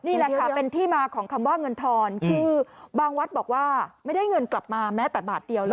นี่แหละค่ะเป็นที่มาของคำว่าเงินทอนคือบางวัดบอกว่าไม่ได้เงินกลับมาแม้แต่บาทเดียว